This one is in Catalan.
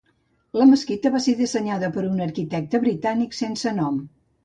La mesquita va ser dissenyada per un arquitecte britànic sense nom.